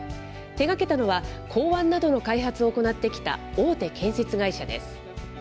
手がけたのは、港湾などの開発を行ってきた大手建設会社です。